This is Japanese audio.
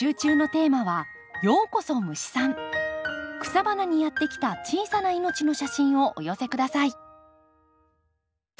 草花にやって来た小さな命の写真をお寄せ下さい。